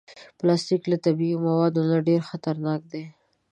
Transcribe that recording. پلاستيک له طبعي موادو نه ډېر خطرناک دی.